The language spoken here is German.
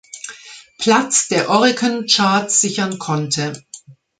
Platz der Oricon-Charts sichern konnte.